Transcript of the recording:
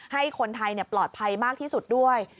ให้คนไทยปลอดภัยมากที่สุดด้วย